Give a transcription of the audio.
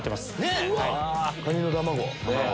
カニの卵。